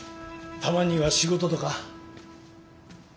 たまには仕事とか？